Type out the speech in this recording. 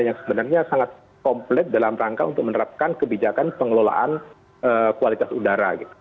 yang sebenarnya sangat komplit dalam rangka untuk menerapkan kebijakan pengelolaan kualitas udara